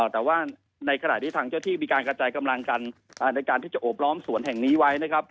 แต่ว่าในขณะที่ทางเจ้าที่มีการกระจายกำลังกันในการที่จะโอบล้อมสวนแห่งนี้ไว้นะครับ